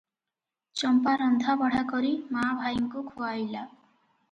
ଚମ୍ପା ରନ୍ଧାବଢ଼ା କରି ମା ଭାଇଙ୍କୁ ଖୁଆଇଲା ।